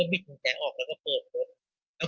ก็บิดหนึ่งแกะออกแล้วแล้วก็เปิดโจทย์